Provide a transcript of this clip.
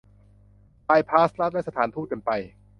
บายพาสรัฐและสถานทูตกันไป